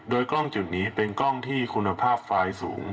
โดยกล้องจุดนี้เป็นกล้องที่คุณภาพไฟล์สูง